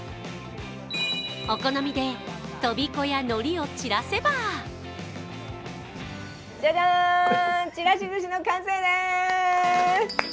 お好みで、とびこや、のりを散らせばジャジャーン、ちらしずしの完成でーす！